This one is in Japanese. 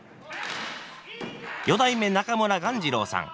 四代目中村鴈治郎さん。